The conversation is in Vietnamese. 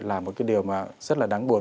là một cái điều mà rất là đáng buồn